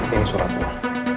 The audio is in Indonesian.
ini surat lo